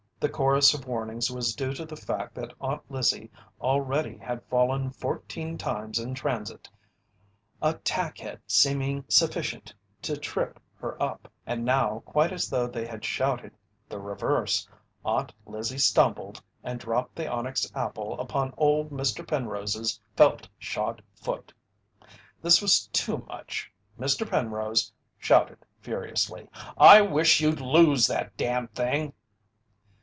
The chorus of warnings was due to the fact that Aunt Lizzie already had fallen fourteen times in transit, a tack head seeming sufficient to trip her up, and now, quite as though they had shouted the reverse, Aunt Lizzie stumbled and dropped the onyx apple upon old Mr. Penrose's felt shod foot. This was too much. Mr. Penrose shouted furiously: "I wish you'd lose that damned thing!"